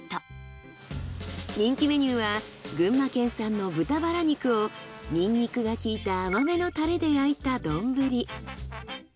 人気メニューは群馬県産の豚バラ肉をニンニクが効いた甘めのタレで焼いた丼。